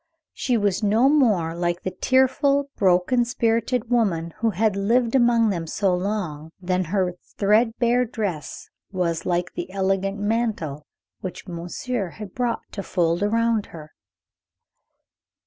She was no more like the tearful, broken spirited woman who had lived among them so long, than her threadbare dress was like the elegant mantle which monsieur had brought to fold around her.